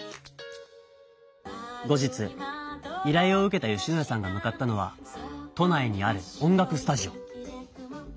後日いらいを受けた吉野谷さんが向かったのは都内にある音楽スタジオ。